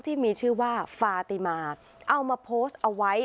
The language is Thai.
ที่มีชื่อว่าฟาติมาเอามาโพสต์เอาไว้